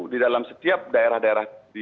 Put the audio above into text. di dalam setiap daerah daerah